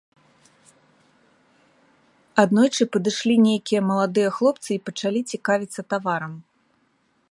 Аднойчы падышлі нейкія маладыя хлопцы і пачалі цікавіцца таварам.